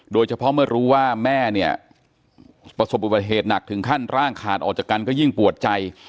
โดยเฉพาะเมื่อรู้ว่าแม่เนี่ยประสบอุบัติเหตุหนักถึงขั้นร่างขาดออกจากกันก็ยิ่งปวดใจ